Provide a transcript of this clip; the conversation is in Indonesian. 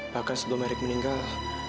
bahkan sebelum erik meninggal